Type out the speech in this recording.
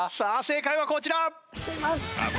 正解はこちら。